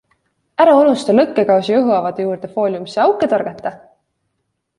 Ära unusta lõkkekausi õhuavade juurde fooliumisse auke torgata!